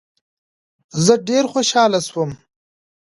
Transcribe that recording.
زه ډیر خوشحاله سوم.